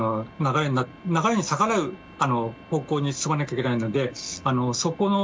流れに逆らう方向に進まないといけないぐらいですので。